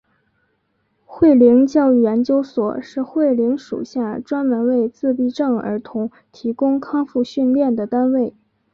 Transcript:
慧灵教育研究所是慧灵属下专门为自闭症儿童提供康复训练的单位。